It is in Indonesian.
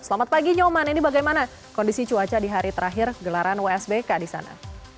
selamat pagi nyoman ini bagaimana kondisi cuaca di hari terakhir gelaran wsbk di sana